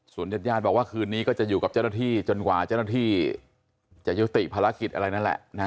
ญาติญาติบอกว่าคืนนี้ก็จะอยู่กับเจ้าหน้าที่จนกว่าเจ้าหน้าที่จะยุติภารกิจอะไรนั่นแหละ